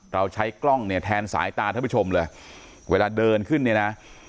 เราใช้กล้องเนี่ยแทนสายตาท่านผู้ชมเลยเวลาเดินขึ้นเนี่ยนะ